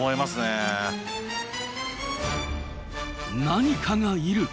何かがいる！